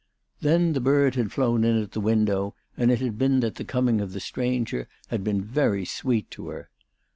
Then the bird had flown in at the window, and it had been that the coming of the stranger had been very sweet to her.